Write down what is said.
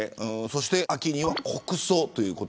そして秋には国葬です。